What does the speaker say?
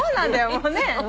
もうね。